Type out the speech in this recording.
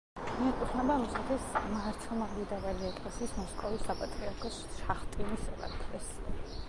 მიეკუთვნება რუსეთის მართლმადიდებელი ეკლესიის მოსკოვის საპატრიარქოს შახტინის ეპარქიას.